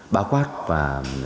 ba quát và